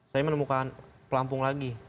saya menemukan pelampung lagi